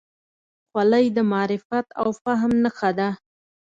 خولۍ د معرفت او فهم نښه ده.